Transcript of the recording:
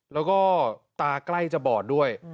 แล้วก็ตาใกล้จะบอดด้วย